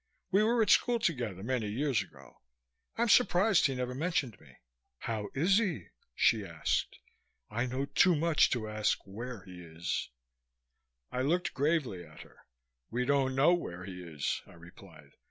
We were at school together, many years ago. I'm surprised he never mentioned me." "How is he?" she asked. "I know too much to ask where he is." I looked gravely at her. "We don't know where he is," I replied.